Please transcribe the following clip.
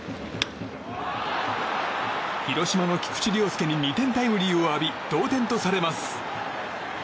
広島の菊池涼介に２点タイムリーを浴び同点とされます。